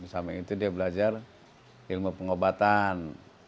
sampai itu dia belajar ilmu pengobatan